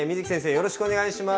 よろしくお願いします！